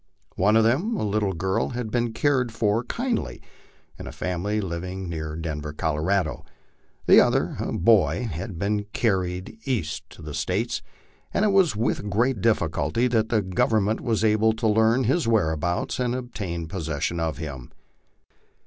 One of them, a little girl, had been cared for kindly in a familj living near Denver, Colorado; the other, a boy, had been carried East to the States, and it was with great difficulty that the Government was able to learn his whereabouts and obtain possession of him.